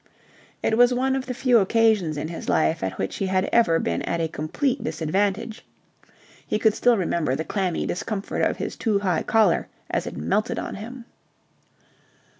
It was one of the few occasions in his life at which he had ever been at a complete disadvantage. He could still remember the clammy discomfort of his too high collar as it melted on him.